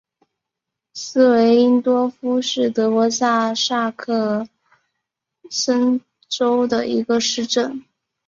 施韦因多夫是德国下萨克森州的一个市镇。